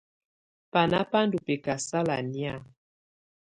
Banà bá ndù bɛ̀kasala nɛ̀á.